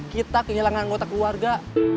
kita kehilangan anggota keluarga